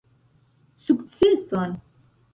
Sukceson